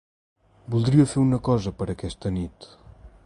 Voldria fer una cosa per aquesta nit.